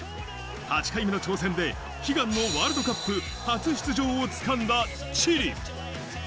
８回目の挑戦で悲願のワールドカップ初出場を掴んだチリ。